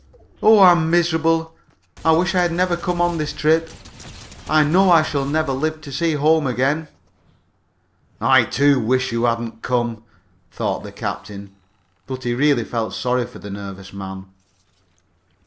"Oh, I'm miserable! I wish I had never come on this trip! I know I shall never live to see home again!" "I, too, wish you hadn't come," thought the captain, but he really felt sorry for the nervous man.